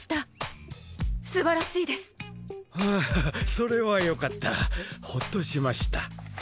それはよかったホッとしました